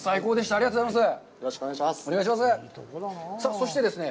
ありがとうございます。